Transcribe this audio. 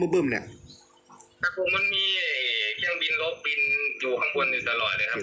แต่ผมมันมีเครื่องบินลบบินอยู่ข้างบนอยู่ตลอดเลยครับ